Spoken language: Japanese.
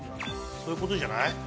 そういうことじゃない？